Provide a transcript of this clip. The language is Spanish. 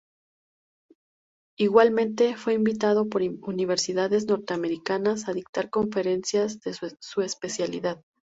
Igualmente, fue invitado por universidades norteamericanas a dictar conferencias de su especialidad.